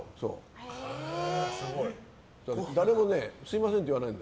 誰もすみませんって言わないの。